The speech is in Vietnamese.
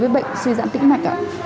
bệnh suy giãn tĩnh mạch ạ